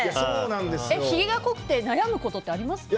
ひげが濃くて悩むことってありますか？